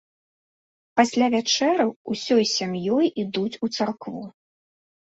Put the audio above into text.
Пасля вячэры ўсёй сям'ёй ідуць у царкву.